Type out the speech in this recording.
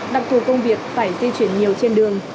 đặc thù công việc phải di chuyển nhiều trên đường